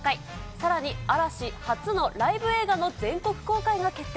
さらに、嵐初のライブ映画の全国公開が決定。